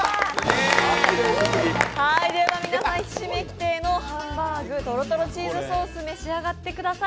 では皆さんひしめき亭のハンバーグとろとろチーズソース召し上がってください。